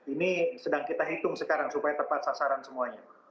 ini sedang kita hitung sekarang supaya tepat sasaran semuanya